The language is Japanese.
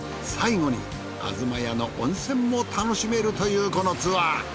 最後にあづま屋の温泉も楽しめるというこのツアー。